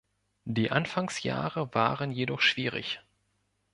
Die Anfangsjahre waren jedoch schwierig.